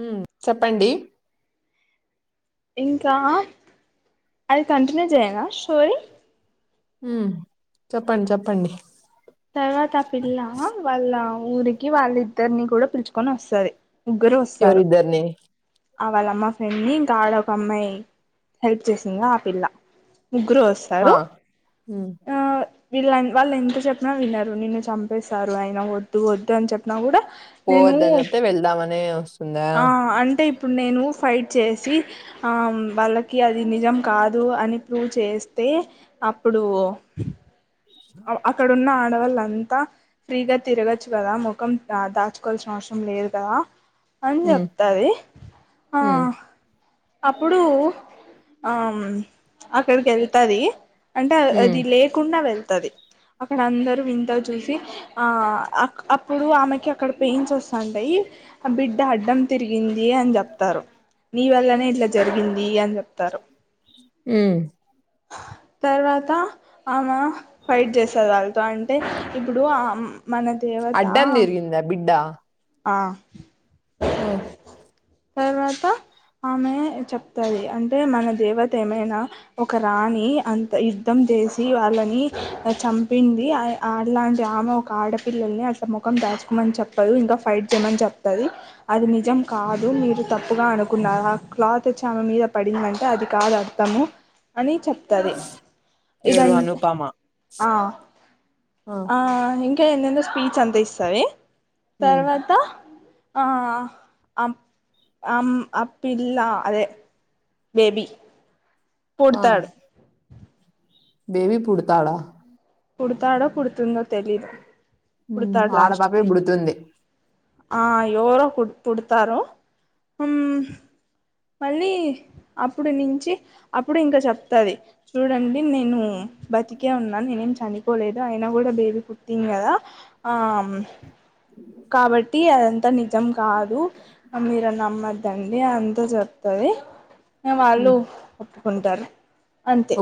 ఉమ్ చెప్పండి ఇంకా అది కంటిన్యూ చేయనా స్టోరీ ఉమ్ చెప్పండి చెప్పండి తర్వాత ఆ పిల్ల వాళ్ళ ఊరికి వాళ్ళ ఇద్దరిని కూడా పిలుచుకొని వస్తది ముగ్గురం వస్తారు ఎవరిద్దరిని ఆ వాళ్ళ అమ్మ ఫ్రెండ్ ని ఇంకా ఆడ ఒక అమ్మాయి హెల్ప్ చేసిందిగా ఆ పిల్ల ముగ్గురు హా వస్తారు ఉమ్ ఆ వీళ్ళ వాళ్ళ ఎంత చెప్ప నా వినరు నిన్ను చంపేస్తారు అయిన వద్దు వద్దు అని చెప్పిన కూడా నేను పోవద్దు అని చెప్తే వెళ్దామని వస్తుందా ఆ అంటే ఇప్పుడు నేను ఫైట్ చేసి వాళ్ళకి అది నిజం కాదు అని ప్రూవ్ చేస్తే అప్పుడు అక్కడన్న ఆడవాళ్ళు అంతా ఫ్రీగా తిరగొచ్చు కదా ముఖం దాచుకోవాల్సిన అవసరం లేదు కదా అని ఉమ్ చెప్తది ఆ ఉమ్ అప్పుడు ఆ అక్కడికి వెళ్తది అంటే ఉమ్ అది లేకుండా వెళ్ అక్కడ అందరూ వింతగ చూసి ఆ అప్పుడు ఆమెకి అక్కడ పెయిన్స్ వస్తుంటాయి బిడ్డ అడ్డం తిరిగి ది అని చెప్తారు నీ వళ్ళనే ఇట్ల జరిగింది అని చెప్తారు హ్మ్ తర్వాత ఆమె ఫైట్ చేసారు వాళ్ళతో అంటే ఇప్పుడు ఆ మన దేవత అడ్డం తిరిగిందా బిడ్డ ఆ హ్మ్ తర్వాత ఆమె చెప్తది అంటే మన దేవత ఏమైనా ఒక రాణి అంత యుద్ధం చేసి వాళ్ళని చంపింది ఆ అట్లాంటి ఆమె ఒక ఆడపిల్లల్ని అసలు ముఖం దాచుకోమని చెప్పదు ఇంకా ఫైట్ చేయమని చెప్తది అది నిజం కాదు మీరు తప్పుగా అనుకున్నారు ఆ క్లాత్ వచ్చి ఆమె మీద పడిందంటే అది కాదు అర్థము అని చెప్తది ఎవరు ఇదంత అనుపమ ఆ ఆ ఇ ఇంకా ఏందేందో స్పీచ్ అంత ఇస్తవె ఉమ్ తర్వాత ఆ అ అం ఆ పిల్ల అదే బేబీ ఆ పుడతాడు బేబీ పుడతాడాా పుడతాడో పుడుతుందో తెలీదు పుడతాడు లాస్ట్ ఆడపాపే కి బుడుతుంది ఆ ఎవరో ఒకరు పుడతారు హ్మ్ మళ్ళీ అప్పుడు నుంచి అప్పుడు ఇంకా చెప్తది చూడండి నేను బతికే ఉన్నాను నేనేం చని పోలేదు అయినా కూడా బేబీ పుట్టింది కదా ఆ కాబట్టి అదంతా నిజం కాదు మీరు నమ్మద్దండి అంతె చెప్తది అనే వాళ్ళు ఉమ్ ఉంటార్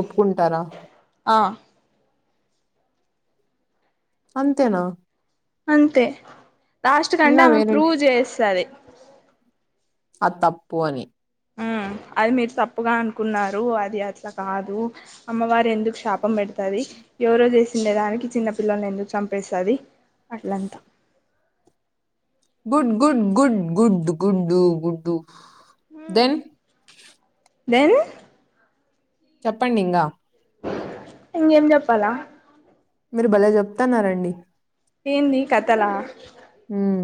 ఒప్పుకుంటారా అంతెన అంతె లాస్ట్ కంటే ఆమె వేరే ప్రూవ్ చేస్తది [inaudible] అ తప్పు అని ఆ అది మీరు తప్పుగా అనుకున్నారు అది అట్లా కాదు అమ్మవారు ఎందుకు శాపం పెడతాది ఎవరో చేసుండేదానికి చిన్న పిల్లల్ని ఎందుకు చంపేస్తాది అట్లంతా గుడ్ గుడ్ గుడ్ గుడ్డు గుడ్డు గుడ్డు దెన్ దెన్ చెప్పండింగా ఇంగేం చెప్పాల మీరు భలే చెప్తున్నారండి. ఏంది కథల ఉమ్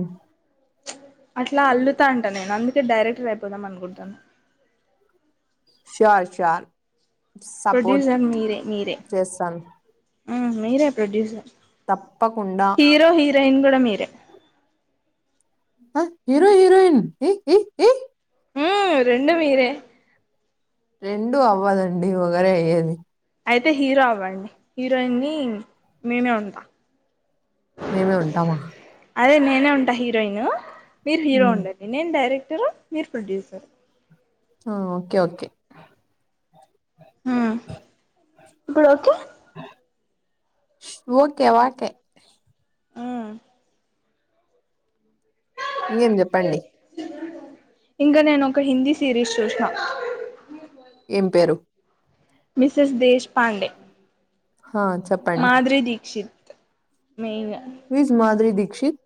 అట్ల అల్లుతా అంట నేను అందుకే డైరెక్టర్ అయిపోదాం అనుకుంటాన్న. సోర్ చా ప్రొడ్యూసర్ మీరె మీరె చేస్తాను ఉమ్ మీరె ప్రొడ్యూసర్ తప్పకుండ తెఈన్ కూడ మీరే హీరొ హిరోయిన్ ఇ ఇ ఇ ఊ రెండు మీరె రెండు అవ్వదండి ఒకరె అయ్యేది అయితె హీరో అవ్వండి హీరోయిన్ ని మేమె ఉంటా మేమే ఉంటామహ్ అదే నేనె ఉంట హీరోయిన్ మీరు హీరో హ్మ్ ఉండండి నేన్ డైరెక్ట్ ఉంటరు మీర్ ప్రొడ్యూసర్ హా ఓకె ఓకే ఆ ఇప్పుడు ఒకే ఒకే వాకే అ ఇంగేం చెప్పండి ఇంక నేను ఒక హిందీ సిరీస్ చూసినా ఏమ్ పేరు మిసెస్ దేశ్ పాండె ఆ మాదిరి దీక్షిత్ మెయిన్ హ ఈజ్ మాధురి దీక్షి క్షిత్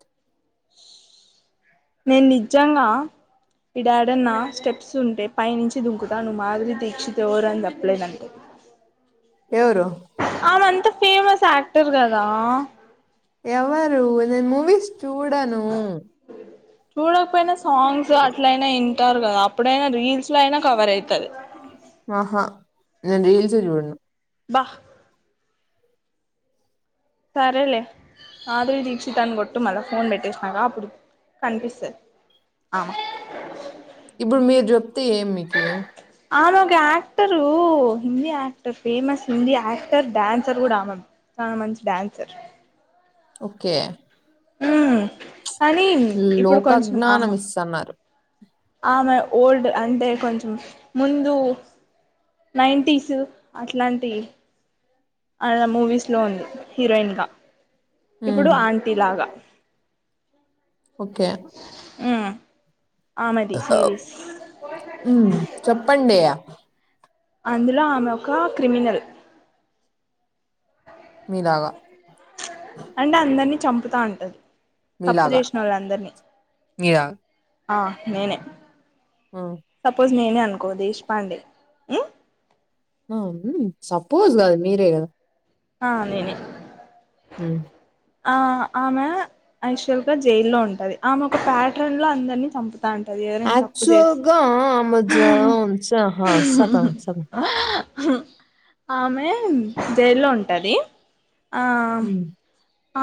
నేను నిజంగా ఈడాడన్న స్టెప్స్ ఉంటే పైనుంచి దుంకుతా నువ్వు మాదిరి దీక్షిత్ ఎవరు అనేది చెప్పలేదంటే. ఎవరు ఆమె అంత ఫేమస్ ఆక్టర్ కదా ఎవరు నేను మూవీస్ చూడను చూడక పోయిన సాంగ్స్ అట్లఅయిన పంటారు కదా అప్పుడైనా రీల్స్ లో అయినా కవర్ అయితది ఆహా నేను రీల్స్ ఏ చూడను. వాహ సరేలే మాధువి దీక్షిత అని కొట్టు మళ్ళా ఫోన్ పెట్టేసినాక అప్పుడు కనిపిస్తుంది ఆ ఇప్పుడు మీరు చెప్తే ఏం మీకి ఆమె ఒక actor Hindi actor famous Hindi actor dancer కూడా ఆమె చాలా మంచి డడాన్సర్ ఓకే మ్ కానీ ఇప్పుడు కొంచెం ఆమ లోకజ్ఞానం ఇస్తన్నారు ఆ మై ఓల్డ్ అంటే కొంచెం ముందు నైంటస్ అట్లాంటి అన మూవీస్లో ఉంది హీరోయిన్గా ఇప్పుడు హ్మ్ ఆంటీ లాగా ఓకే మ్మ్ ఆమెది సిరీస్ చెప్పండయా అందులో ఆమె ఒక క్రిమినల్ మీలాగా అంటే అందరినీ చంపుతా ఉంటది తప్పు మీలాగా చేసిన వాళ్ళందరినీ మీరా ఆ నేనే ఆ సపోజ మీ కో దేశ పండే ఆ సపోజ్ కాదుా మీరే కదా ఆ నేని హ ఆ ఆమె ఐశ్వల్ జైల్లో ఉంటది ఆమె ఒక ప్యాటర్న్ లో అందరి చంపు యాక్చువల్గా [unintelligible] ఆమె జైల్లో ఉంట అది ఆ ఉమ్.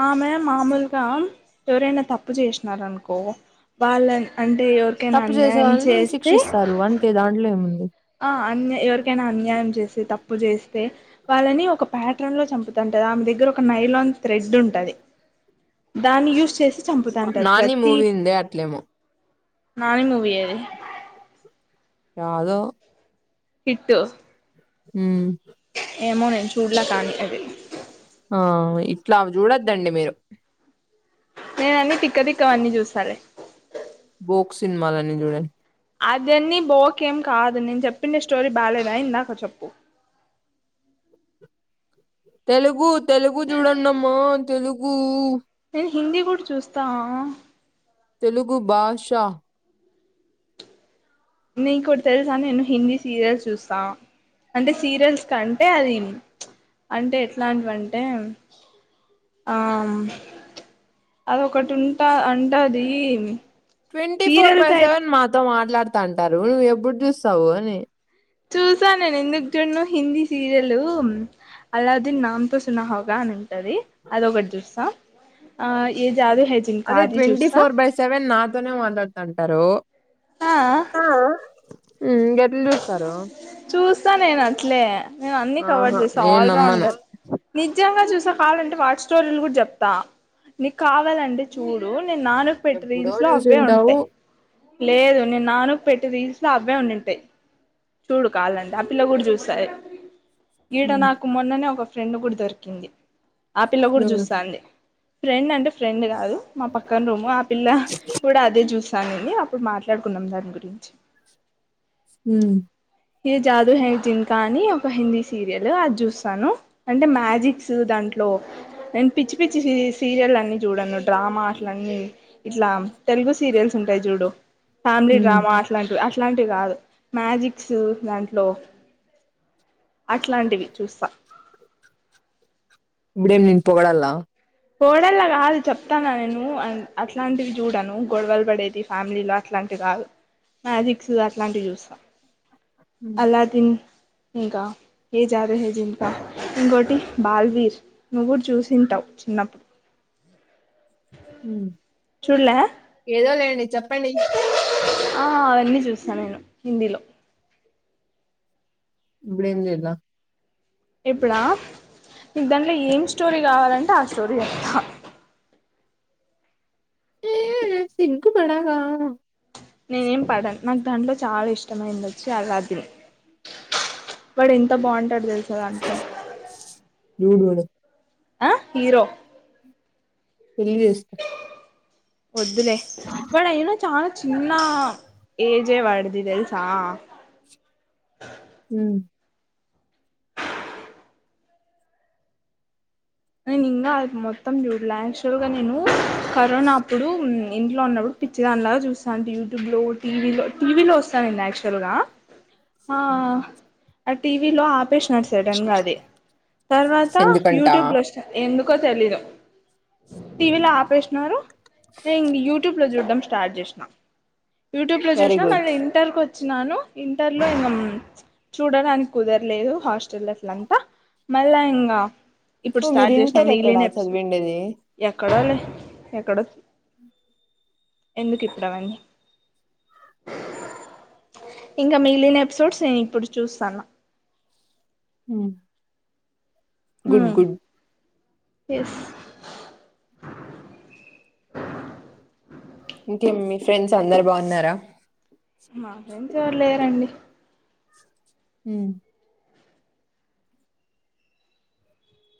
ఆమె మాముల్ ఇంకా ఎవరైనా తప్పు చేశినార్ అనుకో వాళ్ళన్ అం తప్పు చేసే వాళ్ళని శిక్షిస్తారు అంతే దాంట్లో ఏముంది. ఆ అన్ ఎవరికైనా అన్యాయం చేసి తప్పు చేస్తే వాళ్ళని ఒక పాటర్న్ లో చంపుతాంటది ఆమె‌ దగ్గర ఒక నైలాన్ థ్రెడ్ ఉంటది దాన్ని యూస్ చేసి. చంపుతంటది నానీ ప్రతి మూవీ ఉందే అట్లేమో. నాని మూవీ ఏది. యాదో హిట్ట హ్మ ఏమో నేను చూడ్లా కానీ అది. ఆ ఇట్లా అవి చూడొద్దండి మీరు. నేనన్నీ తిక్కతిక్కవన్నీ చూస్తాలే. బోక్ సినిమాలన్నీ చూడండి. అదన్నీ బోకేం కాదు. నేను చెప్పిన స్టోరీ బాలేేద యిందాక చెప్పు. తెలుగు తెలుగు చూడండమ్మా. తెలుగూ నేన్ హిందీ కూడా చూస్తా. తెలుగు భాషా నీకోటి తెలుసా నేను హిందీ సీరియల్స్ చూస్తా, అంటే సీరియల్స్ కంటే అదీ ప్చ్ అంటే ఎట్లాంటివంటే, ఆం ప్చ్ అదొకటి ఉంటా అంటే అదీ ట్వంటీ ఫోర్ బై సెవెన్ మాతో మాట్ మాట్లాడుతాంటారూ నువ్వు ఎప్పుడు చూస్తావు అనీ. చూసా నేను ఎందుకు చూడను. హిందీ సీరియల్లూ అల్లావుద్దీన్ నామ్తో సునా హా రా అని ఉంటదీ అద ఒకటి చూస్తా. ఆ ఏద్ అదే ట్వంటీ ఫోర్ బై సెవెన్ నా తోనే మాట్లాడుతాంటారూ. ఆ ఊ గద్ ఇల్ చూస్తారూ స్తా నేనట్లే. నేను అన్ని కవర్ చేస్తా నేను నమ్మను ఆల్రౌండర్. నిజంగా చూస్ కావాలంటే వాట్ స్టోరీలు కూడా చెప్తా, నీకు కావాలంటే చూడూ. నేను నానుగు పెట్టి ఎప్పుడో రీల్స్ లో అవ్వే చూసింటావు ఉంటాయి. లేదు నేను నానుగ్ పెట్టి రీల్స్ లా అవ్వే ఉండి ఉంటాయి. చూడు కాలంటే ఆ పిల్ల గూడ చూస్తది. గీడ ఉమ్ నాకు మొన్ననే ఒక ఫ్రెండ్ కూడా దొరికింది ఆపిల్లో కూడా చుస్తావుంది ఫ్రెండ్ అంటే ఫ్రెండ్ కాదు మా పక్కన రోము ఆ పిల్ల కూడా అదే చూస తనింది అప్పుడు మాట్లాడుకున్నాం దాని గురించి ఉమ్ ఈ జాదు హె జిన్కా అని ఒక హిందీ సీరియల్ అది చూస్తాను అంటే మ్యాజిక్స్ దాంట్లో నేను పిచ్చి పిచ్చి సీరియల్ అన్ని చూడను డ్రామా అట్లన్ని ఇట్లా తెలుగు సీరియల్స్ ఉంటాయి చూడు ఫ్యామిలీ ఉమ్ డ్రామా అట్లాంటి ఇట్లాంటివి కాదు మ్యాజిక్స్ దాంట్లో అట్లాంటివి చూస్తా ఇడేం నిన్ పొగడల్ పొగడల్ కాదు చెప్తానా నేను అట్లాంటివి చూడను గొడవలు పడేది ఫ్యామిలీలో అట్లాంటివి కాదు మ్యాజిక్స్ అలాంటివి చూస్తా అల్లాదిన్ ఇంకా ఏ జాదు హె జిన్కా ఇంకోటి బాల్వీర్ నువ్వు కూడా చూసింటావు చిన్నప్పుడు ఉమ్ చూడలే ఏదో లేండి చెప్పండి ఆ అవన్నీ చూస్తా నేను హిందీలో ఇప్పుడేం చెయ్యాల్ల ఇప్పుడా నకు దాంట్లో ఏం స్టోరీ కావాలంటే ఆ స్టోరీ చెప్తా ఉమ్ సింగ్గు పడాలా నేనేం పడాను నాకు దాంట్లో చాలా ఇష్టమైంది వచ్చి అల్లాద్దీన్ వాడు ఎంత బాగుంటే టేడ తెల్సా దాంట్లో చూడు చూడు ఆ హీరో పెళ్ళి చేస్కో వద్దులే వాడైన చానా చిన్న ఏజే వాడిది తెలుసా ఉమ్ నేను ఇంకా మొత్తం చూడలే యాక్చువల్ గా నేను కరోనా అప్పుడు ఇంట్లో ఉన్నప్పుడు పిచ్చిదాని లాగా అలాగా చూస్తంటి అ యూట్యూబ్ లో టీవలో టీవీలో వస్తానిండా యాక్చువల్ గా ఆ ఆ టీవీలో ఆపేశి నారు సడెన్ గా అది తర్వాత ఎందుకంట యూట్యూబ్లో ఎందుకో తెలిదు టీవీలో ఆపేసినారు ఇంగ యూట్యూబ్ చూడం స్టార్ట్ చేసినా యూట్యూబ్ లో వెరీ చూసిసా మళ గుడ్ ఇంటర్కి వచ్చినాను ఇంటర్లో ఇంగ చూడడానికి కుదరలేదు హాస్టల్లో అట్లంతా మళ్ళా ఇంకా సో మీరు ఇంటారు ఎక్కడా చదివిండేది ఎక్కడ లే ఎక్కడో ఎందుకు ఇప్పుడు అవ్వన్నీ ఇంకా మిగిలిన ఎపిసోడ్స్ నేను ఇప్పుడు చూస్తాను ఉమ్ గుడ్ హ్మ్ గుడ్ ఎస్ ఇంకేం మీ ఫ్రెండ్స్ అందరు బాగున్నారా మా ఫ్రెండ్స్ ఎవరు లేరండి ఉమ్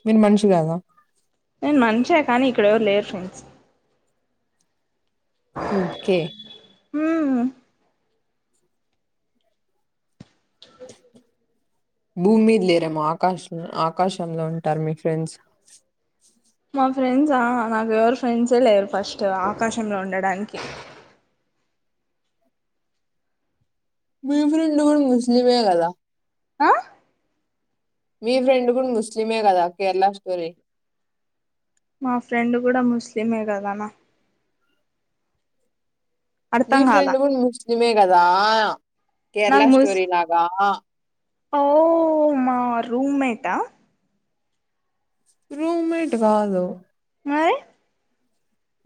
మీరు మనిషి గాదా నేను మనిషే కానీ ఇక్కడ ఎవరు లేరు ఫ్రెండ్స్ ఓకే ఉమ్మ్ భూమీద లేరేమో ఆకాశ్ ఆకాశంలో ఉంటారు మీ ఫ్రెండ్స్ మా ఫ్రెండ్సా నాకు ఎవరు ఫ్రెండ్సే లేరు ఫస్ట్ ఆకాశంలో ఉండడానికి మీ ఫ్రెండ్స్ నువ్వ కూడా ముస్లిమే కదా అ మీ ఫ్రెండ్ కూడా ముస్లిమే కదా కేరళ స్టోరీ మా ఫ్రెండ్ కూడా ముస్లిమే కద న మీ అర్థం కాల ఫ్రెండ్ కూడా ముస్లిం ఏ కదా కేరళ నాకు ముస్ స్టోరీ లాగా ట్టా రూమ్ మెట్ కాదు మై [inaudible]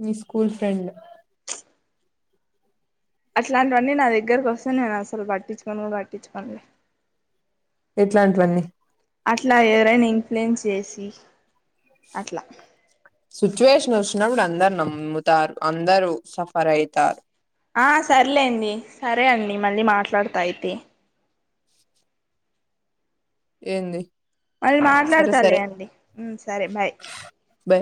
మీ స్కూల్ ఫ్రెండ్ అట్లాంటివన్ని నా దగ్గరకి వస్తే నేను అసలు పట్టించుకొనె కూడా పట్టించుకోను ఇట్లాంటివన్నీ అట్లా ఎవరైనా ఇన్ఫ్లుయెన్స్ చేసి అట్లా సిచ్యువేషన్ వచ్చినప్పుడు అందరు నమ్ముతారు అందరూ సఫర్ అయితారు. ఆ సర్లేండి సరే అండి మళ్ళీ మాట్లాడుతా అయితే ఏంది మళ్లీ సరే మాట్లాడతలేే సరే అండి ఉమ్ సరే బాయ్ బాయ్